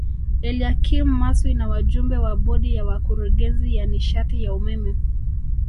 Eliakim Maswi na wajumbe wa Bodi ya Wakurugenzi ya nishati ya umeme